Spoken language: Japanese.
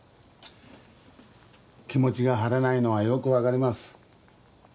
気持ちが晴れないのはよく分かります